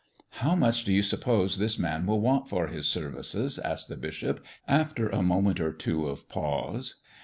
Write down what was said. "How much do you suppose this man will want for his services?" asked the bishop, after a moment or two of pause.